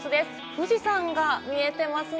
富士山が見えていますね。